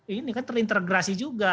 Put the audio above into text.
ini kan terintegrasi juga